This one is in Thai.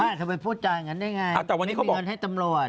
ว่าทำไมพูดแบบนั้นได้ไงไม่มีเงินให้ตำรวจ